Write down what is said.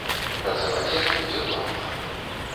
Працаваць яна будзе платна.